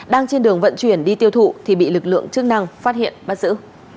đang trên đường vận chuyển đi tiêu thụ thì bị lực lượng chức năng phát hiện bắt giữ